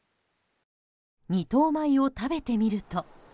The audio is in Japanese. ２等米を食べてみると。